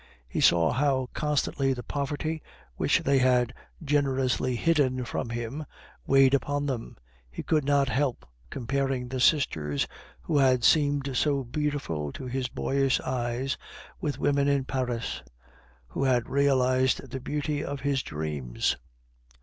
He saw how constantly the poverty, which they had generously hidden from him, weighed upon them; he could not help comparing the sisters, who had seemed so beautiful to his boyish eyes, with women in Paris, who had realized the beauty of his dreams.